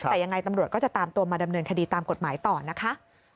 แต่ยังไงตำรวจก็จะตามตัวมาดำเนินคดีตามกฎหมายต่อนะคะ